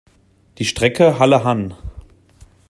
Die Strecke Halle–Hann.